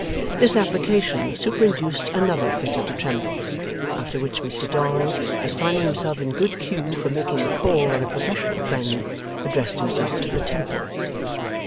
This application superinduced another fit of the trembles; after which Mr Dolls, as finding himself in good cue for making a call on a professional friend, addressed himself to the Temple.